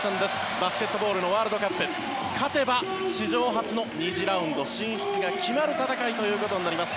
バスケットボールのワールドカップ勝てば史上初の２次ラウンド進出が決まる戦いということになります。